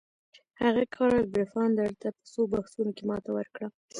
هغه کارل پفاندر ته په څو بحثونو کې ماته ورکړه.